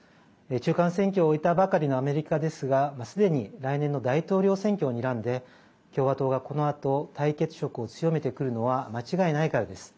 中間選挙を終えたばかりのアメリカですがすでに、来年の大統領選挙をにらんで、共和党がこのあと対決色を強めてくるのは間違いないからです。